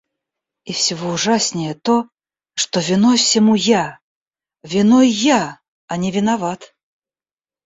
И всего ужаснее то, что виной всему я, — виной я, а не виноват.